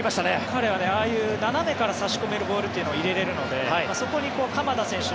彼はああいう斜めから差し込めるボールを入れられるのでそこに鎌田選手